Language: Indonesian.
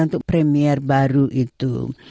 untuk premier baru itu